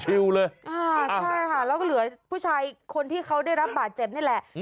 เลยอ่าใช่ค่ะแล้วก็เหลือผู้ชายคนที่เขาได้รับบาดเจ็บนี่แหละ